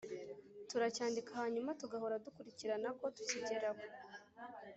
turacyandika hanyuma tugahora dukurikirana ko tukigeraho.